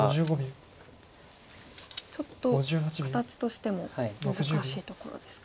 ちょっと形としても難しいところですか。